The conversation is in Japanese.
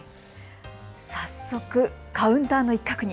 早速、カウンターの一角に。